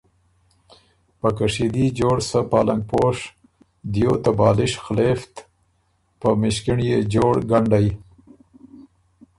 په کشیدي جوړ سۀ پلنګپوش، دیو ته بالِشت خلېفت، په مِݭکِنړيې جور ګنډئ